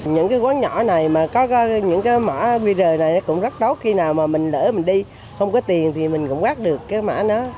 những cái quán nhỏ này mà có những cái mã qr này cũng rất tốt khi nào mà mình lỡ mình đi không có tiền thì mình cũng quét được cái mã đó